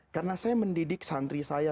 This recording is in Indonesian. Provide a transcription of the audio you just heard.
karena saya mendidik santri saya